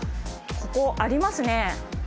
ここありますね。